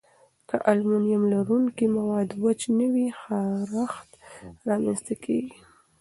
که المونیم لرونکي مواد وچ نه وي، خارښت رامنځته کېږي.